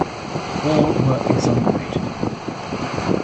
All were exonerated.